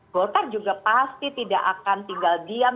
golkar juga pasti tidak akan tinggal diam